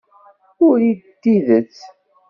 Urid d tidet.